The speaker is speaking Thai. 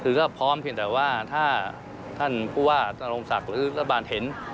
คือก็พร้อมเพียงแต่ว่าถ้าท่านผู้ว่านโรงศักดิ์หรือรัฐบาลเห็น